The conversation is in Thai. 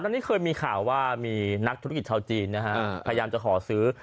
ตอนนี้เคยมีข่าวว่ามีนักธุรกิจชาวจีนนะฮะพยายามจะขอซื้อ